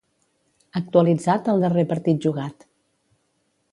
Actualitzat al darrer partit jugat.